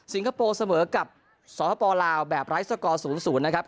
สิงคโปร์เสมอกับศพลาวแบบไลท์สเกอร์๐๐นะครับ